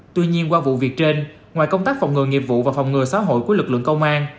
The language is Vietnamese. tuy nhiên qua vụ việc trên ngoài công tác phòng ngừa nghiệp vụ và phòng ngừa xã hội của lực lượng công an